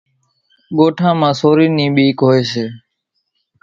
ڳوٺان مان سورِي نِي ٻيڪ هوئيَ سي۔